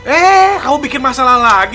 eh kamu bikin masalah lagi